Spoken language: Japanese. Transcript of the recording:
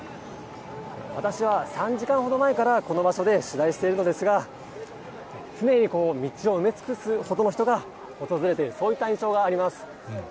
私は３時間ほど前から、この場所で取材しているのですが、常に道を埋め尽くすほどの人が訪れている、そういった印象があります。